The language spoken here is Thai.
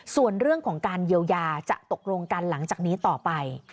ส่วนเรื่องของการเยียวยาจะตกลงกันหลังจากนี้ต่อไป